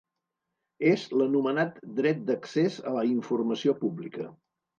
És l'anomenat dret d'accés a la informació pública.